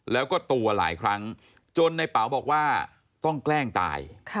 แล้วก็ตัวหลายครั้งจนในเป๋าบอกว่าต้องแกล้งตาย